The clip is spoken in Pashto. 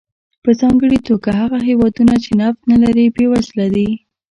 په ځانګړې توګه هغه هېوادونه چې نفت نه لري بېوزله دي.